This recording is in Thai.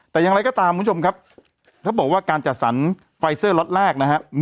แต่อย่างไรก็ตามคุณผู้ชมครับเขาบอกว่าการจัดสรรไฟเซอร์ล็อตแรกนะครับ